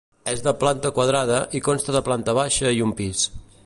És de planta quadrada i consta de planta baixa i un pis.